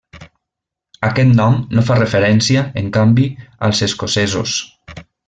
Aquest nom no fa referència, en canvi, als escocesos.